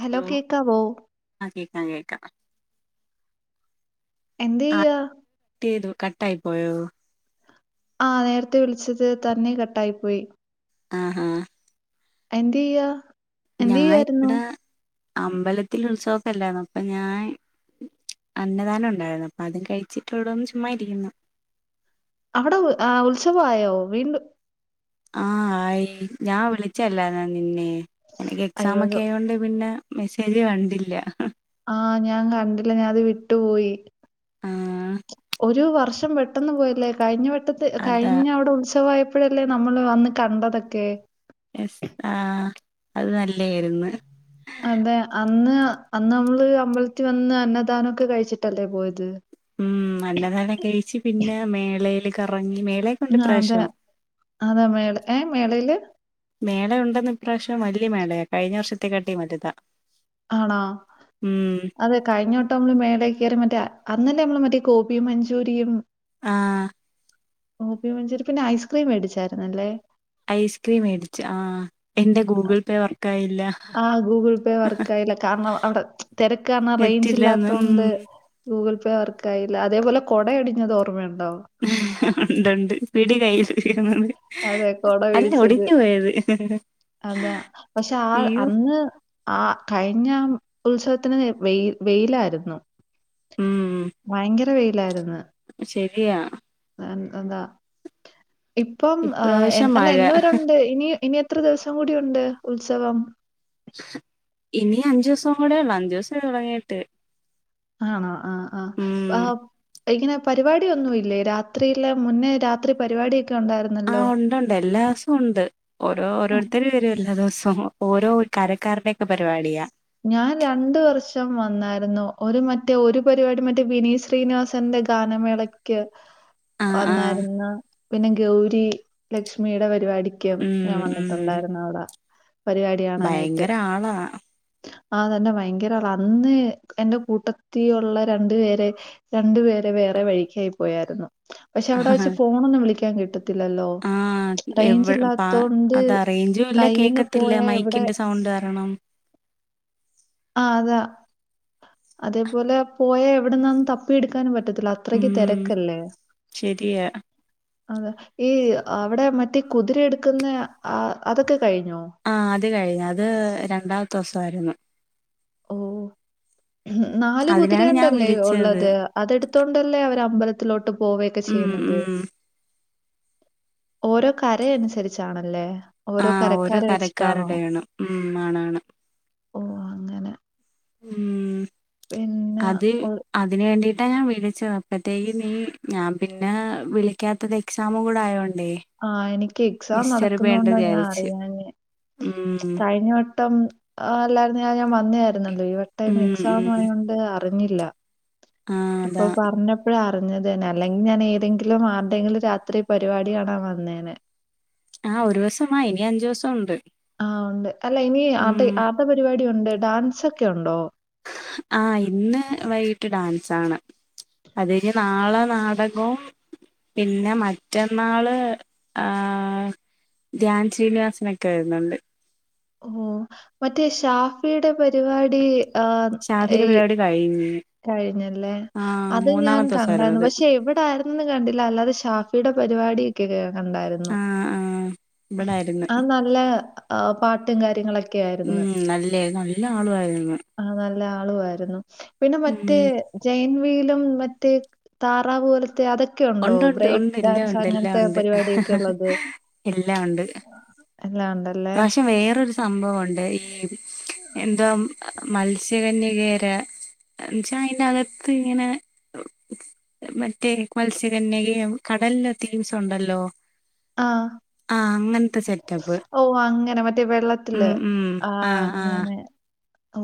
Hello കേക്കാവോ ആഹ് കേക്കാം കേക്കാം എന്ത് ചെയ്യാ കട്ടെയ്തു കട്ടായി പോയോ ആഹ് നേരത്തെ വിളിച്ചത് തന്നെ കട്ടായി പോയി ആഹ് എന്തെയ്യാ ഞാൻ എന്തെയ്യായിരുന്നു ഇവിടെ അമ്പലത്തി ഉത്സവക്കല്ലായിരുന്നു അപ്പൊ ഞാൻ അന്നദാനം ഉണ്ടായിരുന്നു അപ്പൊ അതും കഴിച്ചിട്ട് ഇവിടൊന്ന് ചുമ്മാ ഇരിക്കുന്നു അവിടെ ആഹ് ഉത്സവായോ വീണ്ടും ആഹ് ആയി ഞാൻ വിളിച്ചല്ലായിരുന്നല്ലോ നിന്നെ നിനക്ക് എക്സാം അയ്യോ ഒക്കെ സോ- ആയതോണ്ട് പിന്നെ മെസ്സേജ് കണ്ടില്ല ആഹ് ഞാൻ കണ്ടില്ല ഞാൻ അത് വിട്ടു പോയി ആഹ് ഒരു വർഷം പെട്ടെന്ന് പോയല്ലേ കഴിഞ്ഞ വെട്ടത്ത് അതാ കഴിഞ്ഞ അവിടെ ഉത്സവായ പ്പഴല്ലേ നമ്മള് വന്ന് കണ്ടതൊക്കെ എസ് ആഹ് അത് നല്ലേയിര്ന്ന് അതെ അന്ന് അന്ന് നമ്മള് അമ്പലത്തിൽ വന്ന് അന്നദാനമൊക്കെ കഴിച്ചിട്ടല്ലേ പോയത് ഉം അന്നധാനം കഴിച്ച് പിന്നെ മേളേൽ കറങ്ങി മേളെ ആഹ് അതെ അതാ മേള ഏഹ് മേളേല് മേള ഉണ്ടെന്ന് ഇപ്രാവശ്യം വലിയ മേളയാ കഴിഞ്ഞ വർഷത്തേക്കാട്ടി വലുതാ ആണോ ഉം അതെ കഴിഞ്ഞോട്ട് നമ്മള് മേളയറി മറ്റേ അന്നന്നെ നമ്മള് മറ്റേ ഗോപി മഞ്ചൂരിയും ആഹ് ഗോബി മഞ്ചൂരിയും പിന്നെ ഐസ്ക്രീം മേിച്ചായിരുന്നല്ലേ ഐസ്ക്രീം മേടിച്ച് ആഹ് എന്റെ ഗൂഗിൾപേ വർക്കായില്ല ആഹ് ഗൂഗിൾ പേ വർക്ക് ആയില്ല കാരണം അവിടെ തിരക്കാര്ണം റേഞ്ച് നെറ്റില്ലാന്ന് ഉം ഇല്ലാത്തോണ്ട് ഗൂഗിൾ പേ വർക്കായില്ല അതേപോലെ കൊട ഒടിഞ്ഞത് ഓർമ്മയുണ്ടോ ഉണ്ടൊണ്ട് പിടി കൈയിലിരുന്നത് അതെ കൊട പിടിച്ചത് അതാ പക്ഷെ ആഹ് അയ്യോ അന്ന് ആഹ് കഴിഞ്ഞ ഉത്സവത്തിന് വെയ്ൽ വെയിലായിരുന്നു ഉം ' ഭയങ്കര വെയിലായിരുന്നു ശെരിയാ എതാ ഇപ്പം ആഹ് ഇപ്രാവശ്യം അല്ല മഴ എന്നവരുണ്ട് ഇനി ഇനി എത്ര ദിവസം കൂടി ഉണ്ട് ഉത്സവം ഇനി അഞ്ചു ദിവസം കൂടെ ഉള്ളൂ അഞ്ചു ദിവസം തുടങ്ങിട്ട് ആണോ ആഹ് ആഹ് ബാ ഉം ഇങ്ങനെ പരിപാടിയൊന്നുമില്ലേ രാത്രിയിലെ മുന്നേ രാത്രി പരിപാടിയൊക്കെ ഒണ്ടായിരുന്നു ആഹ് ഒണ്ട്ണ്ട് എല്ലാസും ഒണ്ട് ഓരോ ഉം, ഓരോരുത്തർ വരും എല്ലാ ദിവസൊം ഓരോ കരക്കാരുടെയൊക്കെ പരിപാടിയാ ഞാൻ രണ്ട് വർഷം വന്നായിരുന്നു ഒരു മറ്റേ ഒരു പരിപാടി മറ്റേ വിനീത് ശ്രീനിവാസന്റെ ഗാനമേള ക്ക് ആഹ് ആഹ് വന്നായിരുന്നു പിന്നെ ഗൗരി ലക്ഷ്മിയുടെ പരിപാടി ക്കും ഞാൻ ഉം ഉം വന്നിട്ടുണ്ടായിരുന്നു അവിടെ പരിപാടി കാണാനായിട്ട് ആണോ ആഹ് തന്നെ ഭയങ്കര ആളാ അന്ന് എന്റെ കൂട്ടത്തീഒള്ള രണ്ടു പേരെ രണ്ടു പേരെ വേറെ വഴിക്കായി പോയായിരുന്നു പക്ഷെ അവിടെ വച്ച് ഫോണൊന്നും വിളിക്കാൻ കിട്ട ത്തില്ലല്ലോ ആഹ് റേഞ്ച് എവ പാ ഇല്ലാത്തോണ്ട് അത് റേഞ്ചും ഇല്ല കയ്യിൽന്ന് കേക്കത്തില്ല പോയാ എവിടെ മൈക്കിന്റെ സൗണ്ട് കാരണം ആഹ് അതാ അതേപോലെ പോയാ എവിടുന്നാന്ന് തപ്പിയെടുക്കാനും പറ്റത്തില്ല അത്രയ്ക്ക് ഉം തെരക്കല്ലേ ശരിയാ അതെ ഈ അവിടെ മറ്റേ കുതിര എടുക്കുന്ന ആഹ് അതൊക്കെ കഴിഞ്ഞോ ആഹ് അത് കഴിഞ്ഞു അത് രണ്ടാമത്തെ ദൂസായിരുന്നു ഓ നാല് അതിനാണ് ഞാൻ കുതിരയാണ്ടല്ലേ വിളിച്ചത് ഒള്ളത് അതെടുത്തോണ്ടല്ലേ അവര് അമ്പല ത്തിലോട്ട് പോവയൊക്കെ ഉം ചെയ്യുന്നത് ഉം ഓരോ കര അനുസരിച്ചാണല്ലേ ഓരോ ആഹ് കരക്കാരെ വെച്ചിട്ടാണോ കരക്കാരുടെയാണ് ഉം ആണാണ് ഓ അങ്ങനെ ഉം പിന്നെ അത് ഒ അതിന് വേണ്ടിട്ടാ ഞാൻ വിളിച്ചത് അപ്പത്തേക്ക് നീ ഞാൻ പിന്നെ വിളിക്കാത്തത് എക്സാമൂടെ ആയോണ്ടേ ആഹ് എനിക്ക് എക്സാം ഡിസ്റ്റർബ് ചെയ്യണ്ട നടക്കുന്നോണ്ടാ ഞാൻ വിചാരിച്ച് അറിയാഞ്ഞേ ഉം കൈഞ്ഞ വട്ടം ആ അല്ലായിരുന്നു ഞാൻ ഞാൻ വന്നേയായിരുന്നല്ലോ ഈവട്ടം ഉം ഉം എക്സാം ആയൊണ്ട് അറിഞ്ഞില്ല ആഹ് ഇപ്പൊ അതാ പറഞ്ഞപ് പ്പോഴാ അറിഞ്ഞതെന്നേ അല്ലെങ്കി ഞാൻ ഏതെങ്കിലും ആരുടെങ്കിലും രാത്രി പരിപാടി കാണാൻ വന്നേനേ ആഹ് ഒരൂസം വാ ഇനി അഞ്ചുസം ഉണ്ട് ആഹ് ഒണ്ട് അല്ല ഇനി ഉം ആർടെ ആർടെ പരിപാടി ഒണ്ട് ഡാൻസൊക്കെ ഒണ്ടോ ആഹ് ഇന്ന് വൈകിട്ട് ഡാൻസാണ് അതെന നാളെ നാടകവും പിന്നെ മറ്റന്നാള് ആഹ് ധ്യാൻ ശ്രീനിവാസനൊക്കെ വരുന്നുണ്ട് ഉം മറ്റേ ഷാഫിടെ പരിപാടി ആ ഈ ഷാഫിടെ പരിപാടി കഴിഞ്ഞു കഴിഞ്ഞല്ലേ അത് ഞാൻ ദിവസായിരുന്നു കണ്ടാരുന്നു അത് പക്ഷെ എവിടാ ഒന്നും കണ്ടില്ല അല്ലാതെ ഷാഫിടെ പരിപാടിയൊക്കെ കേ കണ്ടായിരുന്നു ആഹ് ആഹ് ഇവിടായിരുന്നു ആഹ് നല്ല പാട്ടും കാര്യങ്ങളൊക്കെ ആയിരുന്നു നല്ലൊ ആളുവായിരുന്നു ആഹ് നല്ല ആളുവായിരുന്നു പിന്നെ ഉം മറ്റേ ജൈൻവീലും മറ്റേ താറ പോലത്തെ അതൊക്കെ ഉണ്ടോ? ഒണ്ട് ഒണ്ട് ബ്രേക്ക് ഒണ്ട് എല്ലാ ഡാൻസ് ഒണ്ട് എല്ലാം അങ്ങനത്തെ ഒണ്ട് പരിപാടിയൊക്കെ ഉള്ളത് എല്ലാം ഒണ്ട് എല്ലാം ഉണ്ടല്ലേ? ഇപ്രാവശ്യം വേറൊരു സംഭവുണ്ട് ഈ എന്താ മത്സ്യകന്യകേര എന്നച്ചാ അയിനകത്ത് ഇങ്ങനെ മറ്റേ മത്സ്യകന്യകേം കടലിലെ തീംസ് ഉണ്ടല്ലോ ആഹ് ആ അങ്ങനത്തെ സെറ്റപ്പ് ഓ അങ്ങനെ മറ്റേ ഉം വെള്ളത്തില് ഉം ആ ആഹ് ആ അങ്ങനെ ഓ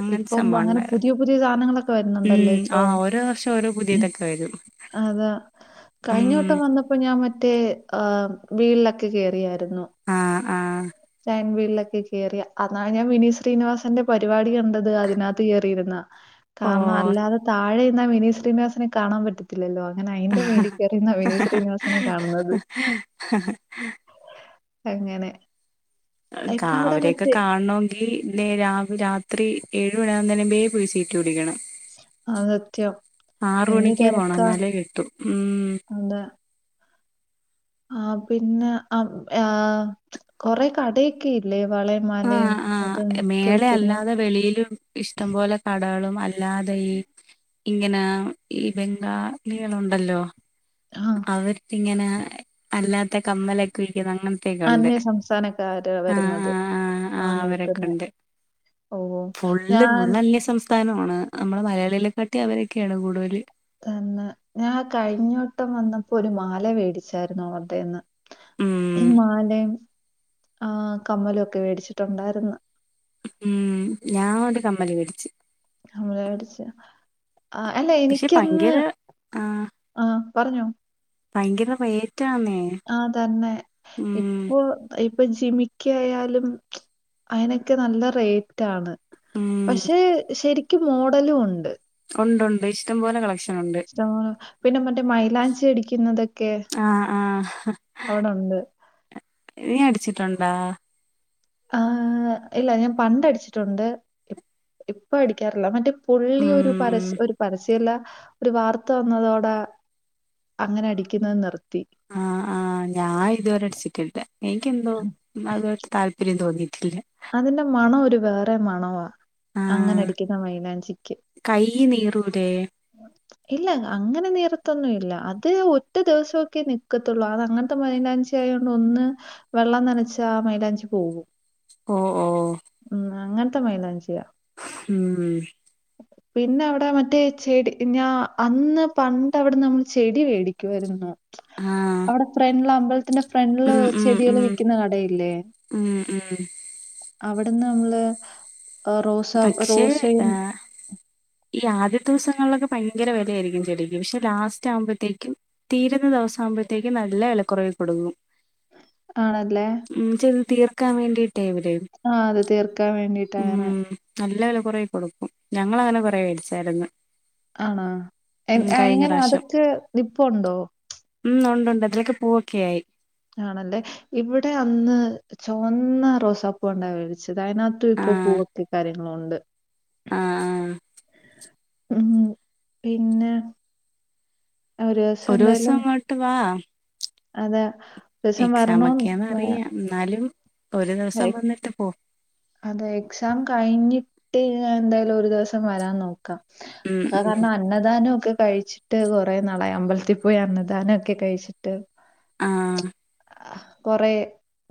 അങ്ങനത്തെ ഇപ്പം സംഭവം അങ്ങനെ പുതിയ ഉണ്ടായിരുന്നു പുതിയ സാധനങ്ങളൊ ഉം ആഹ് ഓരോ വർഷം ഓരോ പുതിയതൊക്കെ വരും അതാ ഉം കഴിഞ്ഞോട്ടം വന്ന പ്പൊ ഞാൻ മറ്റേ ആഹ് വീലൊക്കെ കേയറിയാരുന്നു ആഹ് ആഹ് ചൈൻ വീളിലൊക്കെ കയറിയ അതാണ് ഞാൻ വിനീ ശ്രീനിവാസന്റെ പരിപാടി കണ്ടത് അതിനാത്ത് കേറിയിര്ന്നാ ഓ കാരണം അല്ലാതെ താഴെന്നാ വിനീത് ശ്രീനിവാസനെ കാണാൻ പറ്റി പത്തില്ലല്ലോ അങ്ങനെ അയിന്റെ മേളില് കേറിയിരുന്ന വിനീത് ശ്രീനിവാസനെ കാണുന്നത്. അങ്ങനെ ക്കാ ഇപ്പൊ അവിടെ അവരൊക്കെ മറ്റേ കാണോ ങ്കിൽ ലാ രാവിലെ രാത്രി ഏഴു മണിയാവ്ന്നെനുബേ പോയി സീറ്റ് പിടിക്കണം ആ സത്യം ആറ് എന്ത് മണിക്കേ പോണം എന്നാലെ കിട്ടു ഉം ന്താ ആഹ് പിന്നെ ആഹ് കൊറെ കഥയൊക്കെ ഇല്ലേ വളയ മലയും ആഹ് ആഹ് അതും ഒക്കെ മേളെ വിക്കുന്നേ അല്ലാതെ വെളിയിലും ഇഷ്ടം പോലെ കടകളും അല്ലാതെ ഈ ഇങ്ങനെ ഈ ബംഗാളികളുണ്ടല്ലോ ആഹ് അവർക്ക് ഇങ്ങനെ അല്ലാത്ത കമ്മലൊക്കെ വിക്ക്ന്ന അങ്ങ കെക്കുണ്ട് അന്യ സംസ്ഥാനക്കാര് ആഹ് വരുന്നത് ആഹ് ആ ആഹ് നിൽക്കുന്നെ അവരെക്കെണ്ട് ഓ ഫുള്ള് ഞാൻ ഫുള്ള് അന്യ സംസ്ഥാനമാണ് നമ്മള് മലയാളികളെക്കാട്ടി അവരൊക്കെയാണ് കൂടുതല് തന്നെ ഞാൻ കഴിഞ്ഞോട്ടം വന്നപ്പോ ഒരു മാല വേടിച്ചായിരുന്നു അവടേന്ന് ഉം മാലയും ആഹ് കമ്മലൊക്കെ വേടിച്ചിട്ടുണ്ടായിരുന്ന് ഉം ഞാൻ ഒരു കമ്മല് വേടിച്ച് വേടിച്ച് ആഹ് അല്ല പക്ഷെ എനിക്കന്ന് ഭയങ്കര ആഹ് ആഹ് പറഞ്ഞോ ഭയങ്കര റേ ആഹ് തന്നെ ഉം ഇപ്പൊ ഇപ്പൊ ജിമിക്കി ആയാലും അതിനൊക്കെ നല്ല റേറ്റാണ് ഉം പഷേ ശരിക്കും മോഡലുണ്ട് ഒണ്ട് ഒണ്ട് ഇഷ്ടംപോലെ കളക്ഷ ഇഷ്ടംപോലെ പിന്നെ മറ്റേ മൈലാഞ്ചി അടിക്കുന്നതൊക്കെ ആഹ് അവിടൊണ്ട് നി അടിച്ചിട്ടുണ്ടാ ആഹ് ഇല്ല ഞാൻ പണ്ടടിച്ചിട്ടുണ്ട് ഇപ്പൊ അടിക്കാറില്ല മറ്റെ പുള്ളി ഒരു ഉം പരസ് ഒരു പരസ്യല്ല ഒരു വാർത്ത വന്നതോടെ അങ്ങനെ അടിക്കുന്ന നിർത്തി ആഹ് ആഹ് ഞാൻ ഇതുവരെ അടിച്ചിട്ടില്ല എനിക്ക് എന്തോ അതുആയിട്ട് താല്പര്യം തോന്നീട്ടില്ല്യ അതിന്റെ മണം ഒരു വേറെ മണവാ അങ്ങനെ അടിക്കുന്ന മൈലാഞ്ചിക്ക് കയ്യ് നീറൂലേ [inaudible] ഇല്ല അങ്ങനെ നീറത്തൊന്നു ഇല്ല അത് ഒറ്റ ദിവസൊക്കെ നിക്കത്താെള്ളൂ അത് അങ്ങൻത്തെ മൈലാഞ്ചി ഞ്ചായോണ്ട് ഒന്ന് വെള്ളം നനച്ചാ ആ മൈലാഞ്ചി പോവും ഓഹ്ഓഹ് ഉം അങ്ങൻത്തെ മൈലാഞ്ചിയാ ഉം പിന്നെ അവടെ മറ്റേ ചെടി ഞാ അന്ന് പണ്ടവട്ന്ന് നമ്മള് ചെടി വേടിക്കുവേയ്ര്ന്നു ആഹ് അവ്ടെ ഫ്രണ്ട്ലാബ്ൾ ത്തിന്റെ ഫ്രണ്ട്ല് ഉം ഉം ചെടികള് ഉം വിക്ക്ന്ന കടയില്ലേ ഉം ഉം അവടന്ന് നമ്മള് റോസ പക്ഷേ റോസയും ആഹ് ഈ ആദ്യത്ത ദൂസങ്ങളിലൊക്കെ ഭയങ്കര വെലആയിരിക്കും ചെടിക്ക് പക്ഷെ ലാസ്റ്റ് ആകുമ്പോഴത്തേക്കും തീരുന്ന ദെവസം ആകുമ്പോഴത്തേക്കും നല്ല വെലക്കാെറവിൽ കൊടുക്കും ആണല്ലേ ഉം ചെയ്ത് തീർക്കാൻ വേണ്ടിയിട്ട് ഇവരെ ആഹ് അത് തീർക്കാൻ വേണ്ടിട്ടാങ്ങനെ നല്ല വെലകൊറവികൊടുക്കും ഞങ്ങള് അങ്ങനെ കൊറെ മേടിച്ചായിരുന്നു ആഹ് എ ഉം കഴിഞ്ഞ എങ്ങനെ പ്രാവശ്യം അതൊക്കെ നിപ്പുണ്ടോ ഉം ഉണ്ട് ഉണ്ട് അതിലൊക്കെ പൂവൊക്കെ ആയി ആണല്ലേ ഇവിടെ അന്ന് ചാെവന്ന റോസാപ്പൂ ഉണ്ടാവേ ച്ചത് അയിനകത്ത് ഇപ്പൊ ആഹ് പൂവും കാര്യങ്ങളുണ്ട് ആഹ് ആഹ് ഉം പിന്നെ ഒരു ദിവസം ഒരൂസം ഇങ്ങോട്ട് വാ അതെ ഒരൂസം വരണാേന്ന് വാ ഇന്നാലും ഒരു ദിവസം വന്നിട്ട് പോ അതെ എക്സാം കഴിഞ്ഞിട്ട് ഞാൻ എന്തായാലും ഒരു ദിവസം വരാൻ നോക്കാം ഉം അഅ് ഉം കാരണം അന്നദാനൊക്കെ കഴിച്ചി ട്ട് കാെറെ നാളായി അമ്പലത്തി പോയി അന്നദാനം ഒക്കെ കഴിച്ചിട്ട് ആഹ് കൊറേ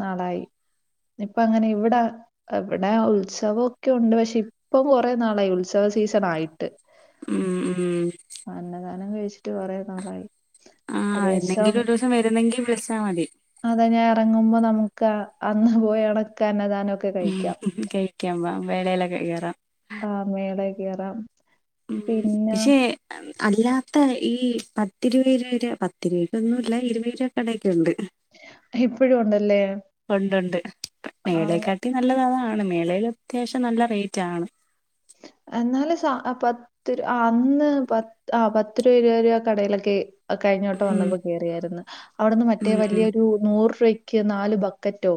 നാളായി ഇപ്പ ഇങ്ങനെ ഇവിടെ എവിടെ ഉത്സവാെക്കെ ഉണ്ട് പക്ഷെ ഇപ്പം കൊറെ നാളായി ഉത്സവ സീസൺ ആയിട്ട് ഉം ഉം അന്നദാനം കഴിച്ചിട്ട് കാെറെ നാളായി ഒരു ആഹ് ദിവസം എന്നെങ്കിലു ഒരൂസം വരുന്നെങ്കി വിളിച്ചാ മതി അതെ ഞാൻ എറങ്ങുമ്പോ നമുക്ക് അന്ന് പോയി അടൊക്കെ അന്നധാനൊക്കെ ഉം കഴിക്കാൻ വാ മേളേലൊക്കെ കേറാം ആഹ് മേളേ കേറാം പിന്നെ പക്ഷേ അല്ലാത്ത ഈ പത്തിരുപ ഇരുവരൂപ പത്തിഇരുവീലൊന്നുല്ല ഇരുവീലൊക്കെ ടെയ്ക്കുണ്ട് ഇപ്പഴും ഉണ്ടല്ലേ. ഉണ്ട്ണ്ട് ആ മേളേക്കാട്ടി നല്ലത് അതാണ് മേളേല് അത്യാവശ്യം നല്ല റേറ്റ് ആണ്. എന്നാലും സാ ആ പത് ആ അന്ന് പത് ആ പത്ത് രൂപ ഇരുപത് രൂപ കടയിലൊക്കെ. അത് കഴിഞ്ഞ വട്ടം ഉം വന്നപ്പോ കേറിയാര്ന്ന് അവട്ന്ന് മറ്റേ ഉം വല്യരു നൂറ് രൂപയ്ക്ക് നാല് ബക്കറ്റോ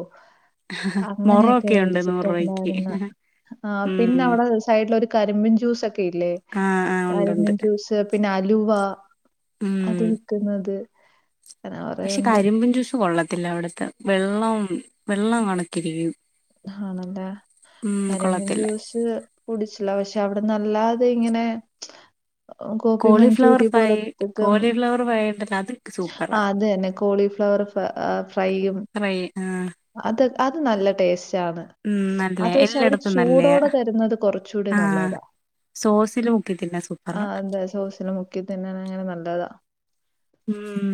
അങ്ങനെയൊക്കെ മൊറൊക്കെ ഉണ്ട് നൂറ് രൂപയ്ക്ക് വേടിച്ചിട്ട്ണ്ടായിര്ന്ന് ആ പിന്നെ ഉം അവ്ടെ സ് സൈഡ്ല് ഒരു കരിമ്പീൻ ജ്യൂസ് ഒക്കെ ഇല്ലേ ആഹ് ആഹ് ഉണ്ടുണ്ട് കരിമ്പിൻ ജ്യൂസ്. പിന്നെ അലുവ ഉം അത് വിക്കുന്നത്. പക്ഷെ കരിമ്പും ജ്യൂസ് കൊള്ളത്തില്ല അവിടത്തെ വെള്ളം വെള്ളം ആണ് കിരിയും ഉം കൊള്ളത്തില്ല. ഇത് കുടിച്ചില്ല പക്ഷെ അവ്ട്ന്ന് അല്ലാതെ ഇങ്ങനെ ഗോപി കോളിഫ്ലവർ മഞ്ചൂരി ഫ്രൈ പോലെ [unintelligible] കോളിഫ്ലവർ ഫ്രൈ ഉണ്ടല്ലോ അത് ആ സൂപ്പറാ അത് തന്നെ കോളിഫ്ലവർ. അ ആ ഫ്രൈയും. ഫ്രൈ ആ. അത് അത് നല്ല ടേസ്റ്റ് ആണ്. ഉം അത് നല്ലയാ പക്ഷെ അവര് എല്ലായിടത്തും നല്ലയാ ചൂടോടെ തരുന്നത് കുറച്ചുകൂടി ആഹ് നല്ലതാ. സോസില് മുക്കി തിന്നാൻ ആ സൂപ്പറാ അതെ സോസില് മുക്കി തിന്നണ ങ്ങനെ നല്ലതാ ഉം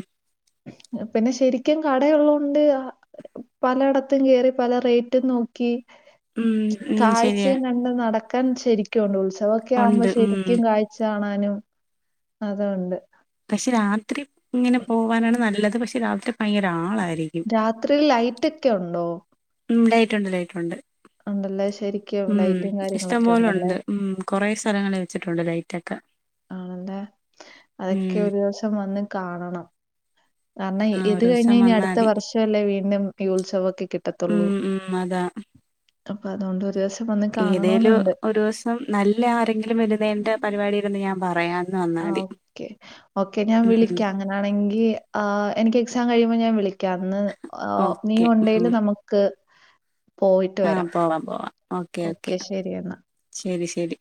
പിന്നെ ശരിക്കും കടയുള്ളോണ്ട് ആ പലയിടത്തും കേറി പല റേറ്റും നോക്കി ഉം ഉം ശരിയാ കാഴ്ചയും കണ്ട്. നടക്കാൻ ശരിക്കുണ്ട് ഉത്സവൊക്കെയാവുമ്പോ ഉണ്ട് ഉം ശരിക്കും കാഴ് ച്ചാണാനും അതുണ്ട് പക്ഷെ രാത്രി ങ്ങനെ പോവാനാണ് നല്ലത് പക്ഷെ രാത്രി ഭയങ്കര ആളായിരിക്കും രാത്രിയിൽ ലൈറ്റൊക്കെ ഉണ്ടോ? ഉം ലൈറ്റുണ്ട് ലൈറ്റുണ്ട് ഉണ്ടല്ലേ ശരിക്കും ഉം ലൈറ്റും ഇഷ്ടം കാര്യങ്ങളൊക്കെ പോലെ ഉണ്ടല്ലേ ഉണ്ട് ഉം കൊറേ സ്ഥലങ്ങളി വെച്ചിട്ടുണ്ട് ലൈറ്റൊക്കെ ആണല്ലേ അതൊക്കെ ഉം ഒരു ദിവസം വന്ന് കാണണം കാർണയ് ആ ഇത് ഒരുസം കഴിഞ്ഞയ്ഞ വന്നാ അട്ത്ത മതി വർഷല്ലേ വീണ്ടും ഈ ഉത്സവൊക്കെ കിട്ടത്തുള്ളൂ ഉം ഉം അതാ അപ്പ അതോണ്ട് ഒരു ദിവസ് ഏതേലും ഒരു ദിവസം നല്ല ആരെങ്കിലും വരുന്നേന്റെ പരിവാടി യൊക്കെണ്ടെങ്കി ഞാൻ പറയാം അന്ന് വന്നാ ആഹ് മതി ഓക്കെ ഓക്കെ ഞാൻ ഉം വിളിക്ക്യം കെ ആണെങ്കി ആ എനിക്കെക്സാം കഴിയുമ്പോ ഞാൻ വിളിക്കാം അന്ന് ഓ നീ ഓക്കെ ഉം ഒണ്ടേല് നമുക് ക്ക് പോയിട്ട് ആ വരാം പോവാം പോവാം ഓക്കെ ശരി എന്നാ ശരി ശരി